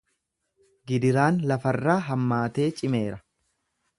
Gidiraan lafarraa hammaatee cimeera